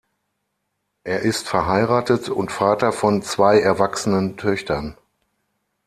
Er ist verheiratet und Vater von zwei erwachsenen Töchtern.